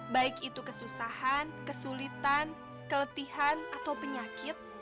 baik itu kesusahan kesulitan keletihan atau penyakit